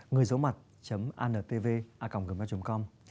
người giống mặt antv com